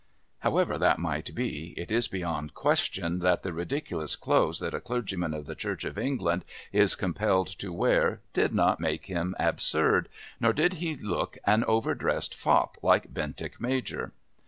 However that might be, it is beyond question that the ridiculous clothes that a clergyman of the Church of England is compelled to wear did not make him absurd, nor did he look an over dressed fop like Bentinck Major.